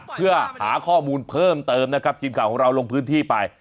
เพื่อหาข้อมูลเพิ่มเติมนะครับทีมข่าวของเราลงพื้นที่ไป